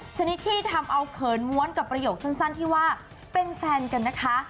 ชนิดที่ทำเอาเขินม้วนกับประโยคสั้นที่ว่าเป็นแฟนกันนะคะ